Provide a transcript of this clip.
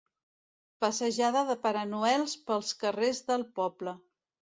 Passejada de Pare Noels pels carrers del poble.